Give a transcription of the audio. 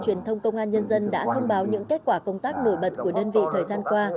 truyền thông công an nhân dân đã thông báo những kết quả công tác nổi bật của đơn vị thời gian qua